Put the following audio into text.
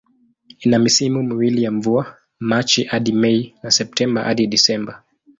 Ina misimu miwili ya mvua, Machi hadi Mei na Septemba hadi Disemba.